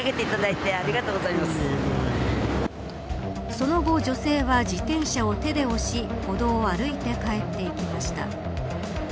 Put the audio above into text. その後、女性は自転車を手で押し歩道を歩いて帰っていきました。